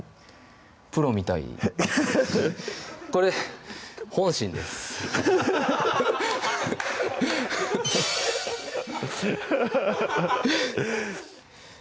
プロみたいこれ本心ですハハハハッ